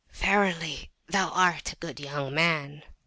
Verily thou art a good [p.258] young man!